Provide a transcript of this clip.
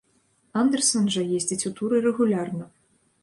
Андэрсан жа ездзіць у туры рэгулярна.